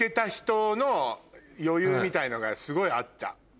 みたいなのがすごいあった。